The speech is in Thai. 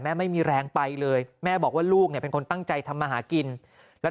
ไม่มีแรงไปเลยแม่บอกว่าลูกเนี่ยเป็นคนตั้งใจทำมาหากินแล้ว